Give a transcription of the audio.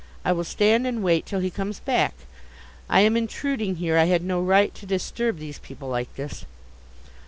I will stand and wait till he comes back. I am intruding here; I had no right to disturb these people like this.